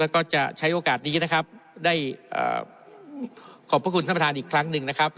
ก็จะใช้โอกาสนี้ได้ขอบพระคุณท่านประธานอีกครั้งหนึ่ง